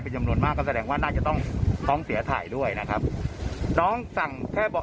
เป็นจำนวนมากก็แสดงว่าน่าจะต้องเสียถ่ายด้วยนะครับ